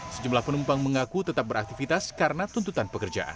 sejumlah penumpang mengaku tetap beraktivitas karena tuntutan pekerjaan